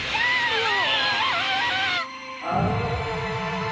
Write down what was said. うわ！